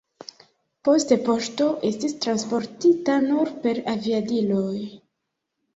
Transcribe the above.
Poste poŝto estis transportita nur per aviadiloj.